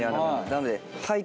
なので。